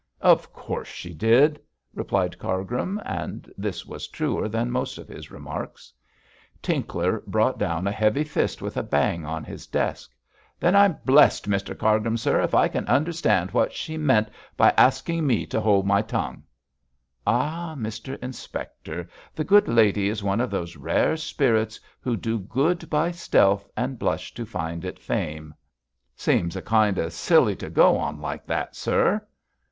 'Of course she did,' replied Cargrim, and this was truer than most of his remarks. Tinkler brought down a heavy fist with a bang on his desk. 'Then I'm blest, Mr Cargrim, sir, if I can understand what she meant by asking me to hold my tongue.' 'Ah, Mr Inspector, the good lady is one of those rare spirits who "do good by stealth and blush to find it fame."' 'Seems a kind of silly to go on like that, sir!'